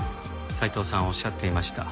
斉藤さんおっしゃっていました。